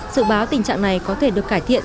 dự báo tình trạng này có thể được cải thiện